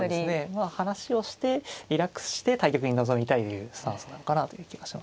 まあ話をしてリラックスして対局に臨みたいというスタンスなのかなという気がしますね。